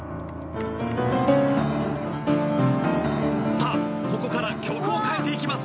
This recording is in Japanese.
さあここから曲を変えていきます。